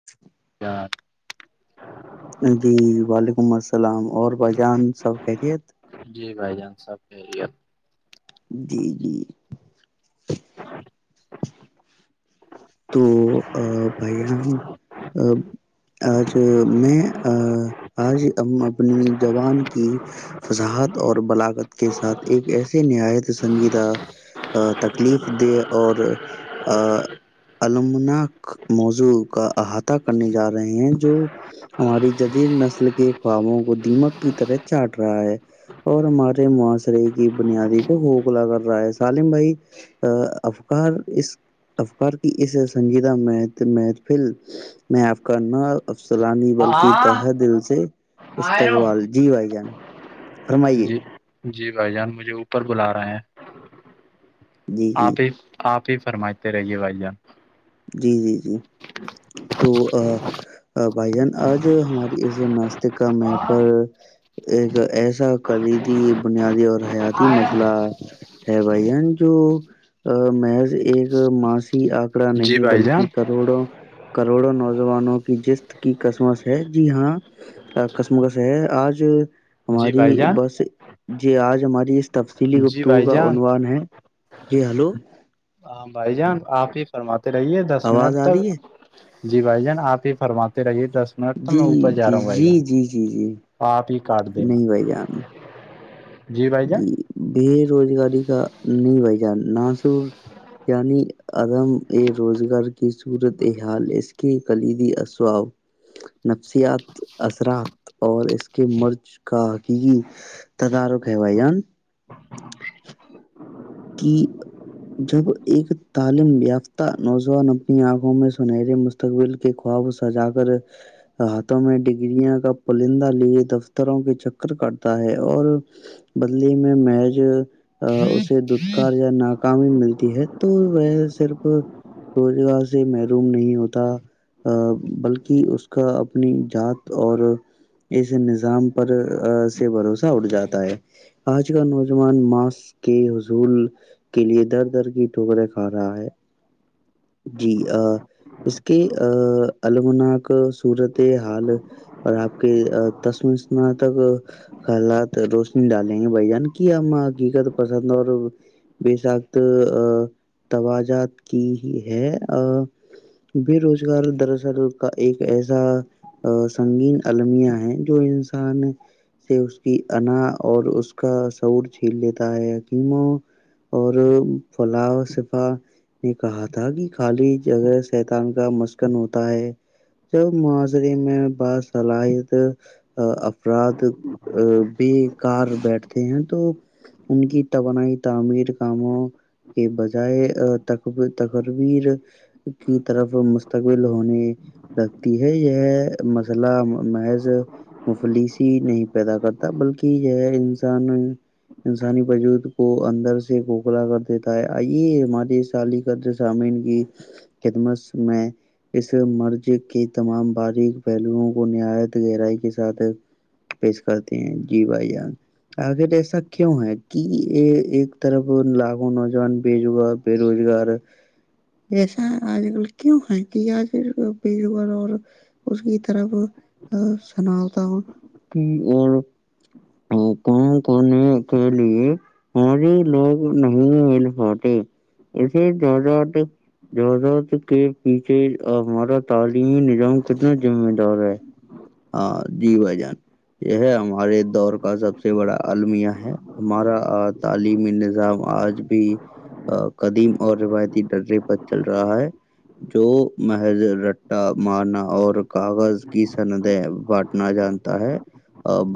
[inaudible] کیا جی وعلیکم السلام اور بجان سب خیریت جی بھائی جان سب کہہریے جی جی تو ا بھائیان ا آج میں آج ہم اپنی زبان کی فضاحت اور بلاغت کے ساتھ ایک ایسے نایت سنجیدہ تکلیف دے اور آ عمناک موضوع کا احاطہ کرنے جا رہے ہیں جو ہماری جدید نسل کے خوابوں کو دیمک کی طرح چاٹ رہا ہے اور ہمارے معاشرے کی بنیادی کو خوقلا کر رہا ہے سالم بھائی افکار اس افکار کی اس سنجیدہ م محفل میںف کرنا افسلانی بلکہ تح ہاں دل سے آ رہا استقبال ہوں جی بھائی جان فرمائیے جی جی بھائی جان مجھے اوپر بلا رہے ہیں جی جی آپ ہی آپ ہی فرماتتے رہیے بھائی جان جی جی جی تو بھائی جان آج ہماری اس ناستے کا م پر ایک ایسا کلیدی بنیادی اور حیاتی مسئلہ ہے بھائی جان جو محض ایک ماسی آ ککڑا جی نہیں بھائی جان بلکہ کروڑوں کروڑوں نوجوانوں کی جش کی قسمش ہے جی ہاں کسمکس ہے آج جی ہماری بھائی جان بس یہ آج ہماری اس تفصیلی جی گفتگو بھائی کا جان عنوان ہے جی ہلو ہاں بھائی جان آپ ہی فرماتے رہیے دس منٹ آواز آ رہی ہے تک جی بھائی جان آپ ہی فرماتے رہیے دس منٹ تو جی میں اوپر جا رہا جی ہوں بھائی جی جان جی جی جی آپ ہی کاٹ دینا نہیں بھائی جان بھائی جان جی بے روزگاری کا نہیں بھائی جان ناسور یعنی عدم ا روزگار کی صورت حال اس کے کلیدی اسواب نفسیات اثرات اور اس کے مرض کا حقیقی تدارو کہوائی جاان کہ جب ایک تعلیم یافتہ نوجوان اپنی آنکھوں میں سنہرے م مستقبل کے خواب سجا کر ہاتھوں میں ڈگریاں کا پرلندہ لیے دفتروں کے چکر کاتا ہے اور بدلی میں میج اسے کار یا ناکامی ملتی ہے تو وہ صرف روزگار سے محروم نہیں ہوتا بلکہ اس کا اپنی ذات اور اس نظام پر سے بھروسہ اٹھ جاتا ہے آج کا نوجوان ماس کے ول کے لیے در در کی ٹوکرے کھا رہا ہے جی اس کی ا المناک صورت حال اور آپ کے تسویںم تک حالات روشنی ڈالیں گے بھائی جان کی ہم حقیقت پسند اور بے سخت توجات کی ہی ہے بے روزگار دراصل کا ایک ایسا ا سنگین المیا ہیں جو انسان سے اس کی انا اور اس کا سور چھیل لیتا ہےم اور پلاؤ شفا نے کہا تھا کہ خالی اگر سیتان کا مسکن ہوتا ہے جب معاشرے میں باصلاحیت افراد بے کار بیٹھتے ہیں تو ان کی توانائی تعمیر کاموں کے بجائے تقربیر کی طرف مستقبل ہونے لگتی ہے یہ مسئلہ محض مفلسی نہیں پیدا کرتا بلکہ جو ہے انسان انسانی بجود کو اندر سے گوکھلا کر دیتا ہے آئیے ہمارے سالی قد سامین کی ختمس میں اس مرض کے تمام باریک پہلوں کو نایت گہرائی کے ساتھ پیش کرتے ہیں جی بھائی جان آخر ایسا کیوں ہے کہ یہ ایک طرف لھوں نوجوان بجگار بے روزگار ویسا آج کل کیوں ہے کہ آج بیروگار اور اس کی طرف سناتا ہوں کہ اور اور کام کرنے کے لیے ہ ہی لوگ نہیں مل پاتے اسے زیادہ جذاد کے پیچھے ہمارا تعلیمی نظام کتنا ذمہ دار ہے ہاں جی ب جان یہ ہمارے دور کا سب سے بڑا المیہ ہے ہمارا تعلیمی نظام آج بھی قدیم اور روایتی ڈرے پر چل رہا ہے جو محض رٹا مارنا اور کاغذ کی سندیں بانٹنا جان ہے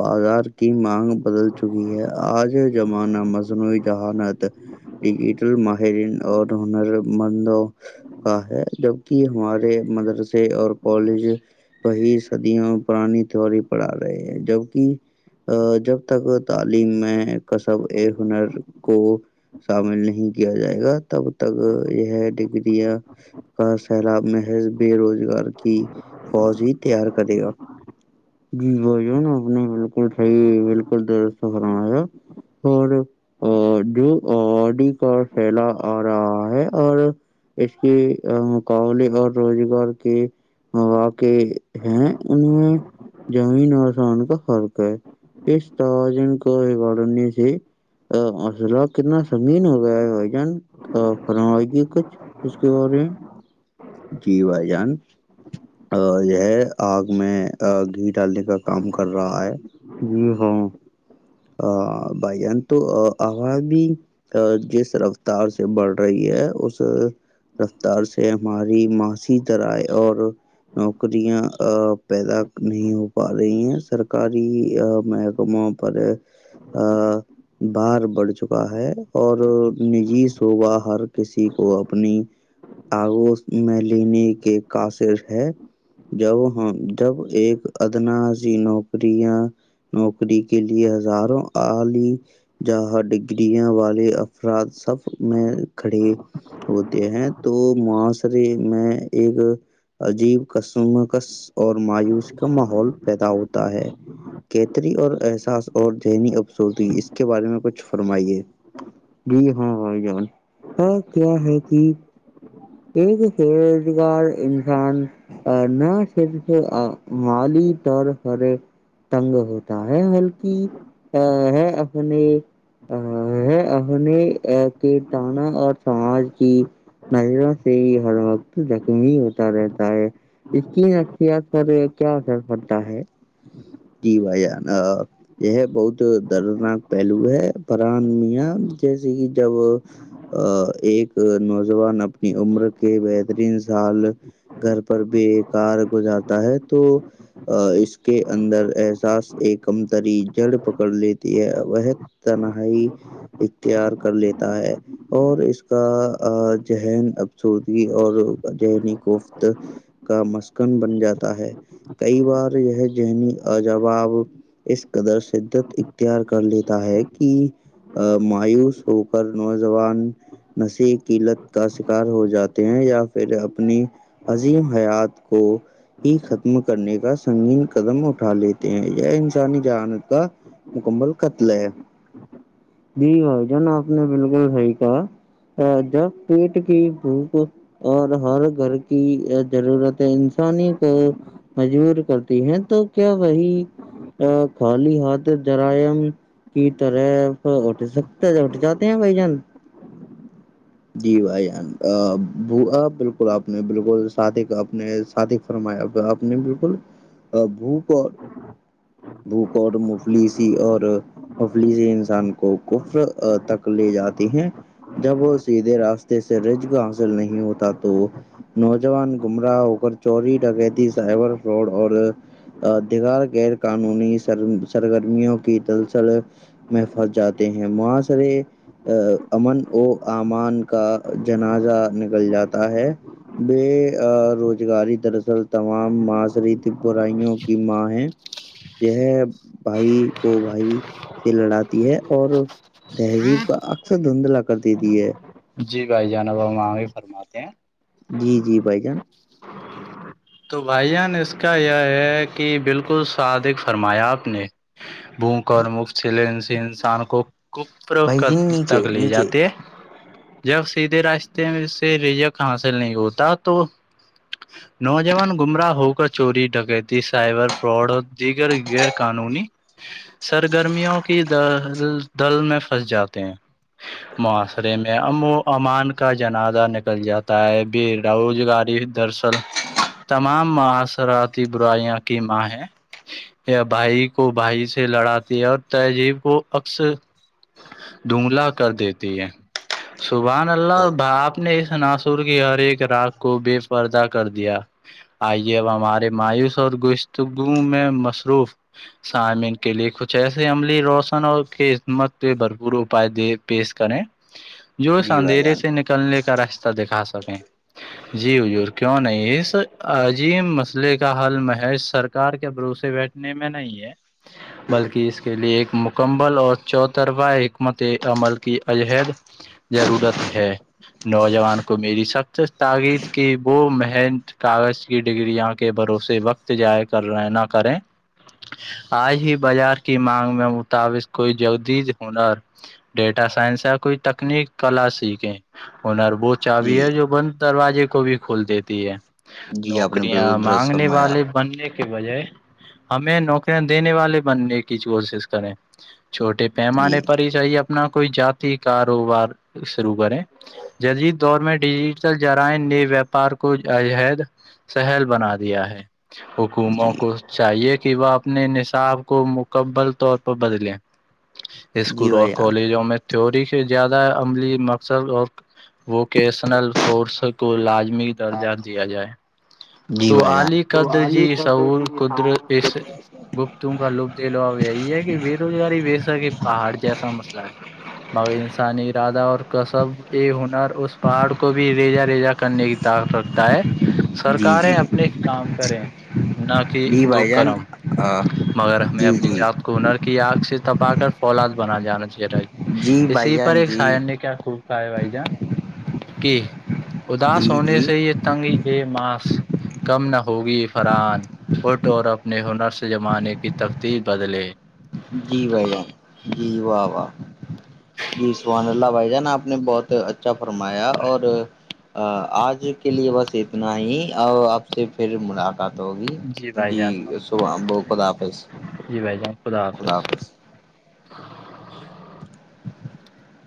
بازار کی مانگ بدل چکی ہے آج زمانہ میں مصنوعی جہانت ڈیجیٹل ماہرین اور ہنر مندوں کا ہے جبک ہمارے مدرسے اور کالج کی صدیوں میں پرانی تیواری پڑا رہے ہیں جبک ا جب تک تعلیم میں کصب ا ہنر کو شامل نہیں کیا جائے گا تب تک یہ ڈگریاں کا سیلاب محض بے روزگار کی فوج ہی تیار کرے گا جی بھائی جان آپ نے بالکل صحیح بالکل درست سے فرمایا اور جو آبادی کا پھیلا آ رہا ہے اور اس کی مقابلے اور روزگار کی مواقع ہیں ان میں زمین آسان کا فرق ہے اس توجن کوئی بڑ ن ملہ کتنا سمین ہو گیا ہے بھائی جان فرمائیگی کچھ اس کے بارے جی بھائی جان ا یہ آگ میں گھی ڈالنے کا کام کر رہا ہے جی ہاں ہ بھائی جان تو آواز بھی ا جس رفتار سے بڑھ رہی ہے اس رفتار سے ہماری معاشی دذرائ اور نوکریاں ا پیدا نہیں ہو پا رہی ہیں سرکاری کما پے [unintelligible] ہاں بار بڑھ چکا ہے اور نجی صوبا ہر کسی کو اپنی تگو میں لینی کے قسر ہے جب ہ جب ایک ادناسی نوکریا نوکری کے لیے ہزاروں اعلی جہاں ڈگریاں والے افراد سب میں کھڑے ہوتے ہیں تو معاشرے میں ایک عجیب کسم ک اور مایوس کا ماحول پیدا ہوتا ہے کیتری اور احساس اور ذہنی ابسورتیی اس کے بارے میں کچھ فرمائیے جی ہاں بھائی جان ہ کیا ہے کہ ایک بوزگار انسان آ نہ س ج تو مال ہی طر ہ تنگ ہوتا ہے بلکہ ہے اپنے ہے اپنے کیتانا اور سماج کی نظر سے ہر بق تو ج م ہی ہوتا ہے تائے اس کی نفصیات پر کیا اثر پڑتا ہے جی بھائیان یہ بہت دردناک پہلو ہے فران میاں جیسے کہ جب ا ایک نوجوان اپنی عمر کے بہترین سال گھر پر بے کار گزارا ہے تو اس کے اندر احساس ایکمتری جڑ پکڑ لیتی ہے وہ تنہائی اختیار کر لیتا ہے اور اس کا ذہن ابسودی اور ذہنیی گفت کا مسکن بن جاتا ہے کئی بار یہ ذنی اجاب اس قدر شدت اختیار کر لیتا ہے کہ ا مایوس ہو کر نوجوان نشی قلت کا شکار ہو جاتے ہیں یا پھر اپنی عظیم حیات کو ہی ختم کرنے کا سنگین قدم اٹھا لیتے ہیں یہ انسانی جہانت کا مکمل قتل ہے جی بھائی جان آپ نے بالکل صحیح کہا ا جب پیٹ کی بھوک اور ہر گھر کی ضرورتیں انسانی کو مجبور کرتا ہیں تو کیا وہی خالی ہھ جرائم کی تور ہے اٹھ سکتا ہے اٹھ جاتے ہیں بھائی جان جی بھائی جان بالکل آپ نے بالکل سادے اپنے ساد فرمایا آپ نے بالکل بھوک اور بوکور مفلی س اور افلی سے انسان کو کفر تک لے جاتے ہیں جب وہ سیدھے راستے سے رجق حاصل نہیں ہوتا تو نوجوان گمراہ ہو کر چوری ڈکے تھی سائبر فراڈ اور دیگرار غیر قانونی سر سرگرمیوں کی دلسل میں پھنس جاتے ہیں معاسرے امن و امان کا جنازہ نکل جاتا ہے بے روزگاری دراصل تمام معاشریتی برائیوں کی ماں ہے جو ہے بھائی کو بھائی سے لڑاتی ہے اور تہذیب کا اکثر دھندلا کر دیتی ہے جی بھائی جانب ہم وہ بھی فرماتے ہیں جی جی بھائی جان تو بھائی جان اس کا یہ ہے کہ بالکل صادق فرمایا آپ نے بھوک اور مک چلے انسان کو بھائی جی فروخت نیچے تک لے نیچے جاتے جب سیدھے راستے میں سے رجک حاصل نہیں ہوتا تو نوجوان گمراہ ہو کر چوری ڈکیتی سائبر فراڈ اور دیگر غیر قانونی سرگرمیوں کی د دل میں پھنس جاتے ہیں معاشرے میں ام و امان کا جنازہ نکل جاتا ہے ب روزگاری درصل تمام معاصراتی برائیاں کی ماں ہیں یا بھائی کو بھائی سے لڑاتی ہے اور تہذیب کو اکثر دھگلا کر دیتی ہے سبح اللہ ہاں ب آپ نے اس ناصر کی ہر ایک راگ کو بے پردہ کر دیا دیا آئیے اب ہمارے مایوس اور گوشتگو میں مصروف سامین کے لیے کچھ ایسے عملی روشن اور کی خدمت پہ بھرپور اپائے دے پیش کریں ہ جو اس اندھیرے سے نکلنے کا راستہ دکھا سکیں جی ہجور کیوں نہیں اس عظیم مسئلے کا حل محیش سرکار کے بھروسے بیٹھنے میں نہیں ہے بلکہ اس کے لیے ایک مکمل اور چوترفا حکمت عمل کی عجہد ضرورت ہے نوجوان کو میری سخت تاغید کی وہ مہن کاغذ کی ڈگر یہاں کے بھروسے وقت جائ کر رہے ہیں نہ کریں آج ہی بازار کی مانگ میں متاوق کوئی جدید ہنر ڈیٹا سائنس یا کوئی تکنیک کلا سیکھیں انربوت چاہ جی بھیی ہے جو بند دروازے کو بھی کھول دیتی ہے جی آپ نے نوکریاں بالکل درست مانگنے فرمایا والے بننے بجائے ہمیں نوکریاں دینے والے بننے کی کوشش کریں چھوٹے پیمانے جی پر ہی چحی اپنا کوئی جات کاروبار شروع کریں جدید دور میں ڈیجیٹل جرائم نے ویاپار کو عظہد سہل بنا دیا ہے حکوموں جی کو چاہیے کہ وہ اپنے نصاب کو مکمل طور پر بدلے جی اسکول اور بھائی جان کالجوں میں تھیوری کے زیادہ عملی مقصد اور ووکیشنل کورس کو لازمی درجہ دیا جائے جی تو بھائی جان علی قدر جی سعور قدرت اس گپتوں کا لپ دلوا یہ ہے کہ بے روزگاری ویسا کہ پہاڑ جیسا مسئلہ ہے مگر انسانی ارادہ اور کصب کے ہنر اس پہاڑ کو بھی ریجا ریجا کرنے کی طاقت رکھتا ہے [inaudible] کاریں اپنے کام کریں نہ کہ جی بھائی دکھ جان کرم مگر ہمیں جی اپنی جی جات کو ہنر کی آنکھ سے تپا کر فولاد بنا جانا چاہیا جی اسی بھائی ہی پر جان ایک جی سائن نے کیا خو بائے بھائی جان کی اداس جی ہونے جی سے یہ تنگ ا ماس کم نہ ہوگی فرحان پٹ اور اپنے ہنر سے جمانے کی تختییر بدلے جی بھائی جان جی واہ واہ جی سوان اللہ بھائی جان آپ نے بہت اچھا فرمایا اور آج کے لیے بس اتنا ہی آپ سے پھر ملاق قات ہوگی بھائی جی جان صبح وہ خد آاپس جی بھائی جان خدا حافظ [inaudible]